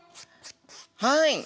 はい。